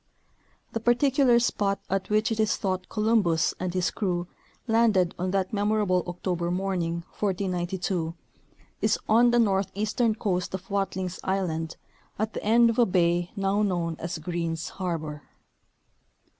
The particular spot at which it is thought Columbus and his crew landed on that memorable October morning, 1492, is on the northeastern coast of Watlings island at the end of a bay now known as Greens harbor.